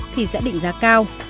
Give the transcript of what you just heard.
thì sẽ định giá cao